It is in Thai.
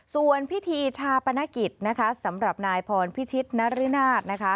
ส่วนพิธีชาปนกิจนะคะสำหรับนายพรพิชิตนรินาศนะคะ